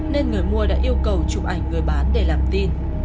nên người mua đã yêu cầu chụp ảnh người bán để làm tin